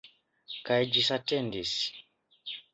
Kaj ĝisatendis.